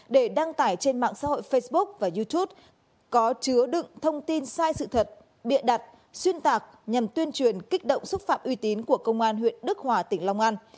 để đăng tải trên mạng xã hội facebook và youtube có chứa đựng thông tin sai sự thật bịa đặt xuyên tạc nhằm tuyên truyền kích động xúc phạm uy tín của công an huyện đức hòa tỉnh long an